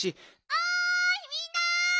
おいみんな！